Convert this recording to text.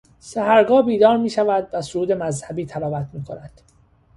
سحرگاه بیدار میشود و سرود مذهبی تلاوت میکند.